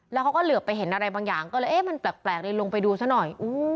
แล้วเขาก็เหลือไปเห็นอะไรบางอย่างก็เลยเอ๊ะมันแปลกเลยลงไปดูซะหน่อย